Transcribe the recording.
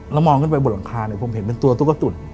แล้วมองขึ้นไปบนหลังคาเนี่ยผมเห็นเป็นตัวตุ๊กตุ๋น